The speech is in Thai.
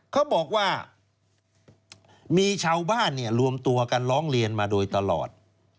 เขาบอกว่ามีชาวบ้านรวมตัวกันร้องเรียนมาโดยตลอด